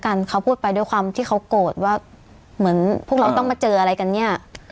เพราะว่าเขาพูดไปด้วยความที่เขากดว่าเหมือนเราต้องมาเจออะไรกันเนี่ย